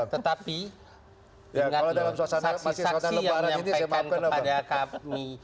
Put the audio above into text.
tetapi dengan saksi saksi yang menyampaikan kepada kami